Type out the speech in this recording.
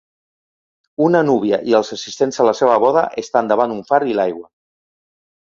Una núvia i els assistents a la seva boda estan davant un far i l'aigua.